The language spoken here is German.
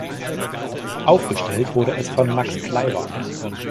Aufgestellt wurde es von Max Kleiber.